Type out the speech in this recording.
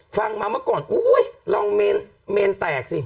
ฟังมาเมื่อก่อนอุ๊ยลองเมนแตกสิ